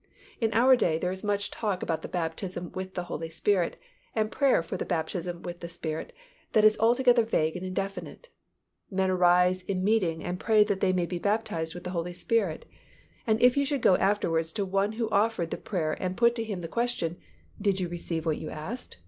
In our day there is much talk about the baptism with the Holy Spirit and prayer for the baptism with the Spirit that is altogether vague and indefinite. Men arise in meeting and pray that they may be baptized with the Holy Spirit, and if you should go afterwards to the one who offered the prayer and put to him the question, "Did you receive what you asked?